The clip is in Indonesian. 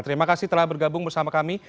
terima kasih telah bergabung bersama kami